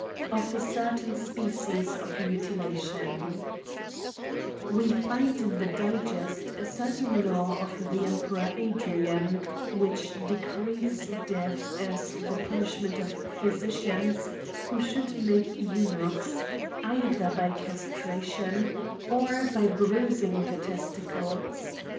Of a certain species of multilation, WE find in the digest, a certain law of the eni peror Adrianf which decrees death as the punish ment of physicians who should make eunuchs, either by castration, or by bruising the testicles.